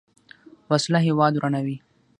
وسله هیواد ورانوي